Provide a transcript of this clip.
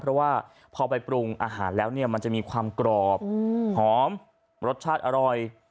เพราะว่าพอไปปรุงอาหารแล้วเนี่ยมันจะมีความกรอบหอมรสชาติอร่อย